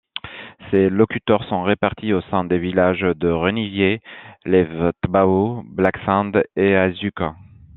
Ces locuteurs sont réparties au sein des villages de Renivier, Levetbao, Blacksand et Azuk.